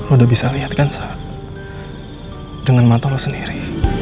udah bisa lihat kan dengan mata lo sendiri